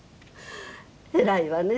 偉いわね。